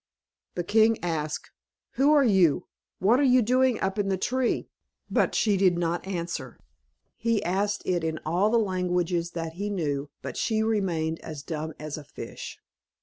The king asked, "Who are you? what were you doing up in the tree?" But she did not answer. He asked it in all the languages that he knew, but she remained as dumb as a fish.